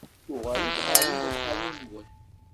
Uɣalet ɣer yimeḍqan-nwen.